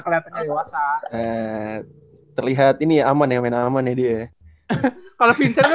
kelihatannya dewasa terlihat ini aman ya main alamannya dia kalau vincent